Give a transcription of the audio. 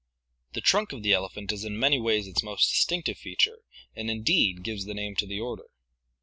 — The trunk of the elephant is in many ways its most distinctive feature and, indeed, gives the name to the order.